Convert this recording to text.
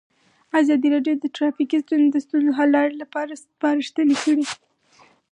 ازادي راډیو د ټرافیکي ستونزې د ستونزو حل لارې سپارښتنې کړي.